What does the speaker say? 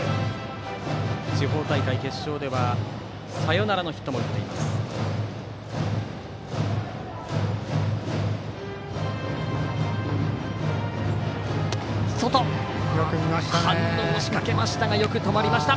地方大会決勝ではサヨナラのヒットも打っています。